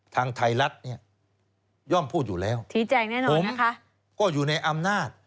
ทางไทยรัฐนี้ย่อมพูดอยู่แล้วผมก็อยู่ในอำนาจ